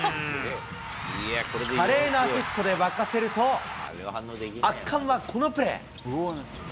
華麗なアシストで沸かせると、圧巻はこのプレー。